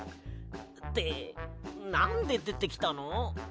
ってなんででてきたの？